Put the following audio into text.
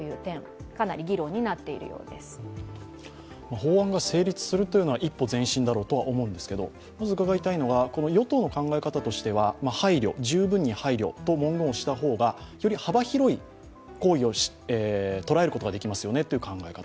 法案が成立するというのは一歩前進だろうと思うんですがまず伺いたいのは与党の考え方としては配慮、十分に配慮という文言した方がより幅広い行為を捉えることができますよねという考え方。